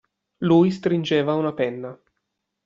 Lui stringeva una penna.